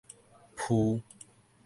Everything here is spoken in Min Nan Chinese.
浡